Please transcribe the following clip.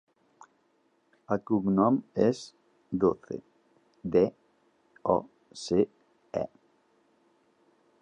El cognom és Doce: de, o, ce, e.